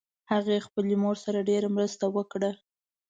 هغې خپلې مور سره ډېر مرسته وکړه